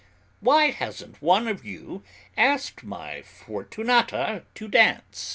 "Why hasn't one of you asked my Fortunata to dance?"